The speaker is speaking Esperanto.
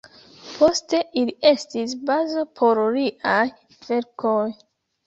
Poste ili estis bazo por liaj verkoj.